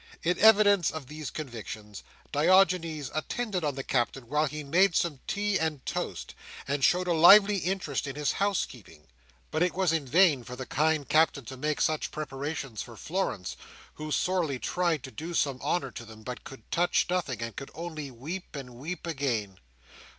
In evidence of these convictions, Diogenes attended on the Captain while he made some tea and toast, and showed a lively interest in his housekeeping. But it was in vain for the kind Captain to make such preparations for Florence, who sorely tried to do some honour to them, but could touch nothing, and could only weep and weep again.